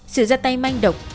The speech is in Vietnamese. sự ra tay manh động